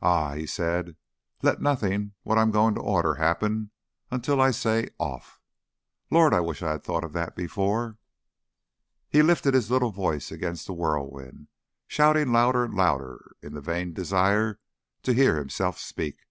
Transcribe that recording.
"Ah!" he said. "Let nothing what I'm going to order happen until I say 'Off!'.... Lord! I wish I'd thought of that before!" He lifted his little voice against the whirlwind, shouting louder and louder in the vain desire to hear himself speak.